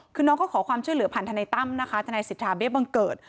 คือน้องก็ขอความช่วยเหลือผ่านทนายตั้มนะคะทนายสิทธาเบี้ยบังเกิด